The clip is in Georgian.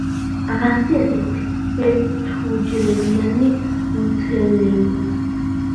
ახასიათებთ ერთუჯრედიანი მიცელიუმი.